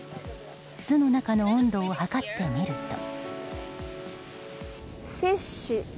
巣の中の温度を測ってみると。